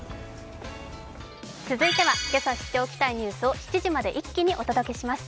続いてはけさ知っておきたいニュースを７時までまとめてお届けします。